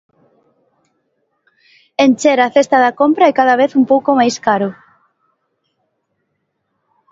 Encher a cesta da compra é cada vez un pouco máis caro.